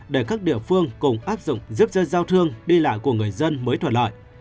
để các địa phương cùng áp dụng giúp dân giao thương đi lại của người dân mới thuận lợi